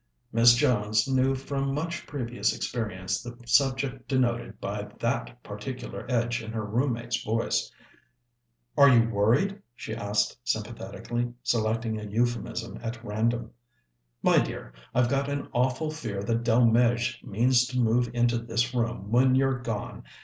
Miss Jones knew from much previous experience the subject denoted by that particular edge in her room mate's voice. "Are you worried?" she asked sympathetically, selecting a euphemism at random. "My dear, I've got an awful fear that Delmege means to move into this room when you're gone.